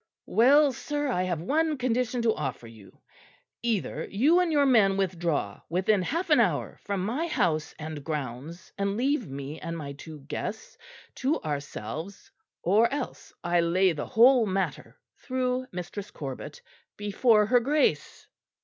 "Well, sir, I have one condition to offer you. Either you and your men withdraw within half an hour from my house and grounds, and leave me and my two guests to ourselves, or else I lay the whole matter, through Mistress Corbet, before her Grace."